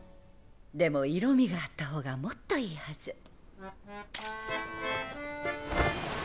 でも色味があった方がもっといいはず。